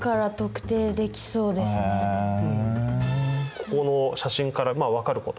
ここの写真から分かること。